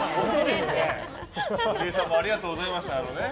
ゴリエさんもありがとうございました。